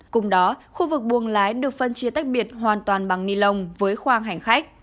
cùng đó khu vực buồng lái được phân chia tách biệt hoàn toàn bằng ni lông với khoang hành khách